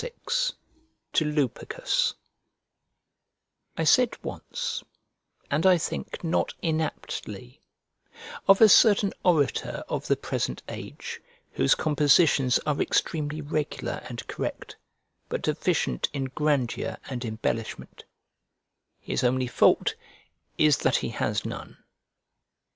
CVI To LUPERCUS I SAID once (and, I think, not inaptly) of a certain orator of the present age, whose compositions are extremely regular and correct, but deficient in grandeur and embellishment, "His only fault is that he has none."